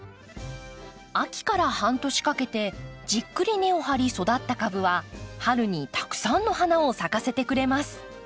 秋から半年かけてじっくり根を張り育った株は春にたくさんの花を咲かせてくれます。